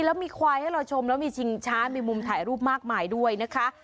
แล้วมีควายให้เราชมแล้วมีชิงช้ามีมุมถ่ายรูปมากมายด้วยนะคะ